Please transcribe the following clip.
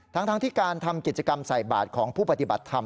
ทั้งที่การทำกิจกรรมใส่บาทของผู้ปฏิบัติธรรม